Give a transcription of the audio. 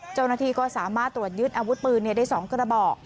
เจ้าหน้าที่ก็สามารถตรวจยึดอาวุธปืนได้๒กระบอก